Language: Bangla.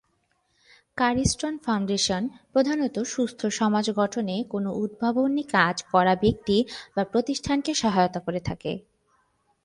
কারি স্টোন ফাউন্ডেশন প্রধানত সুস্থ সমাজ গঠনে কোনো উদ্ভাবনী কাজ করা ব্যক্তি বা প্রতিষ্ঠানকে সহায়তা করে থাকে।